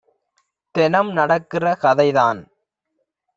தெனம் நடக்கிற கதை தான்